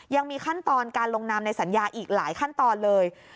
ยังมีขั้นตอนการลงนามในสัญญาอีกหลายขั้นตอนเลย